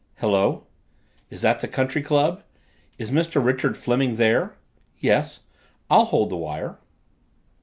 Hello is that the country club? Is Mr. Richard Fleming there? Yes, I'll hold the wire."